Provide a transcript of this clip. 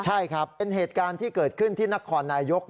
ใช่ครับเป็นเหตุการณ์ที่เกิดขึ้นที่นครนายก